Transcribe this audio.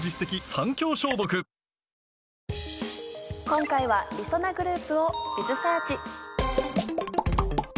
今回はりそなグループを。